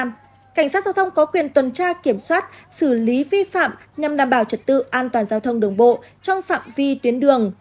cảnh sát giao thông có quyền tuần tra kiểm soát xử lý vi phạm nhằm đảm bảo trật tự an toàn giao thông đường bộ trong phạm vi tuyến đường